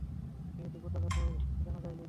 মেয়েটি কোথাকার তাও জানা যায় নি।